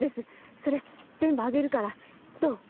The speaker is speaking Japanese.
それ全部あげるからどう？